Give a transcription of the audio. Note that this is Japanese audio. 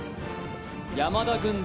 山田軍団